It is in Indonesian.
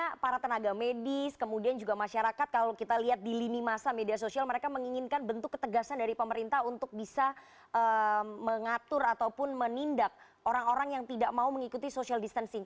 karena para tenaga medis kemudian juga masyarakat kalau kita lihat di lini masa media sosial mereka menginginkan bentuk ketegasan dari pemerintah untuk bisa mengatur ataupun menindak orang orang yang tidak mau mengikuti social distancing